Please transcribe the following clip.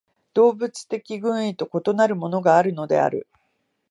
動物的群居と異なるものがあるのである。